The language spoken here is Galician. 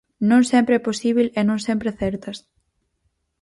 Non sempre é posíbel e non sempre acertas.